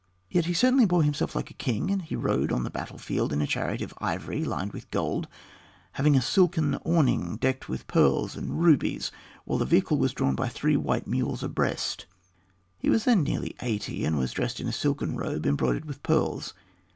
Yet he certainly bore himself like a king, and he rode on the battle field in a chariot of ivory lined with gold, having a silken awning decked with pearls and rubies, while the vehicle was drawn by three white mules abreast. He was then nearly eighty, and was dressed in a silken robe embroidered with pearls.